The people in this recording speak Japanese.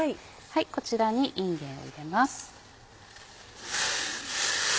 こちらにいんげんを入れます。